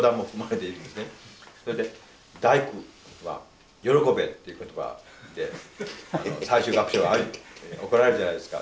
それで「第九」は「歓べ」っていう言葉で最終楽章は送られるじゃないですか。